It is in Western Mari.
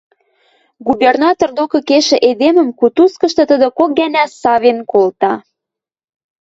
Губернатор докы кешӹ эдемӹм кутузкышты тӹдӹ кок гӓнӓ савен колта.